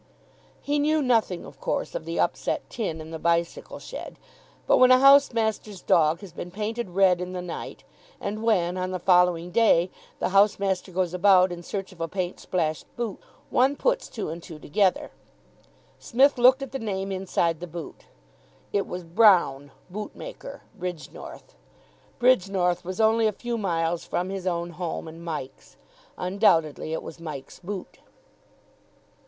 He knew nothing, of course, of the upset tin in the bicycle shed; but when a housemaster's dog has been painted red in the night, and when, on the following day, the housemaster goes about in search of a paint splashed boot, one puts two and two together. Psmith looked at the name inside the boot. It was "Brown, boot maker, Bridgnorth." Bridgnorth was only a few miles from his own home and Mike's. Undoubtedly it was Mike's boot.